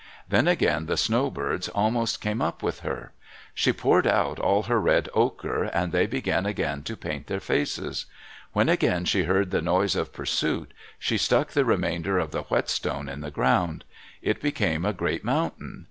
Then again the snowbirds almost came up with her. She poured out all her red ochre and they began again to paint their faces. When again she heard the noise of pursuit, she stuck the remainder of the whetstone in the ground. It became a great mountain.